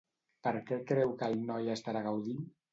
Per què creu que el noi estarà gaudint?